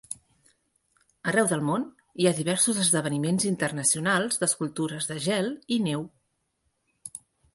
Arreu del món hi ha diversos esdeveniments internacionals d'escultures de gel i neu.